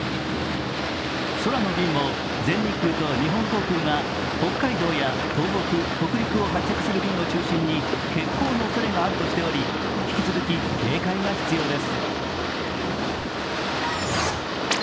空の便も、全日空と日本航空が北海道や東北、北陸を発着する便を中心に欠航のおそれがあるとしており、引き続き警戒が必要です。